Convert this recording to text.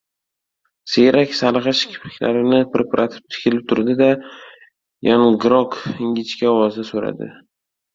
Siyrak sarg‘ish kipriklarini pirpiratib tikilib turdi-da, yangroq, ingichka ovozda so‘radi: